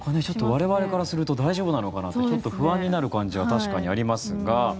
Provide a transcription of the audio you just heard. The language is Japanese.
我々からすると大丈夫なのかなとちょっと不安になる感じは確かにありますが。